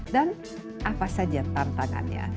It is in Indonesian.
dan apa saja tantangannya